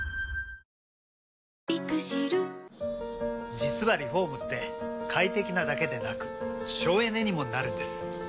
実はリフォームって快適なだけでなく省エネにもなるんです。